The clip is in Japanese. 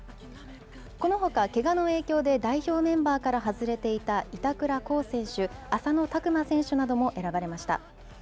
このほかけがの影響で代表メンバーから外れていた板倉滉選手、浅野拓磨選手なども選ばれました。